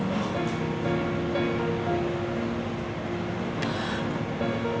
aku sudah berjanji sama el